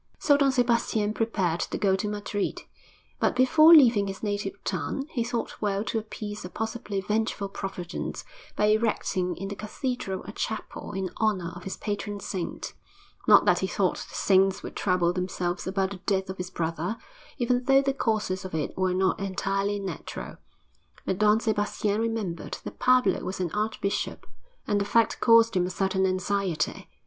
So Don Sebastian prepared to go to Madrid. But before leaving his native town he thought well to appease a possibly vengeful Providence by erecting in the cathedral a chapel in honour of his patron saint; not that he thought the saints would trouble themselves about the death of his brother, even though the causes of it were not entirely natural, but Don Sebastian remembered that Pablo was an archbishop, and the fact caused him a certain anxiety.